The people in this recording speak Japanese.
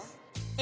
え！